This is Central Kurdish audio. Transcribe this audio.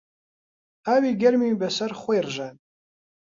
ئاوی گەرمی بەسەر خۆی ڕژاند.